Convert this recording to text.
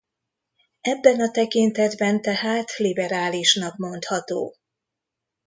Ebben a tekintetben tehát liberálisnak mondható.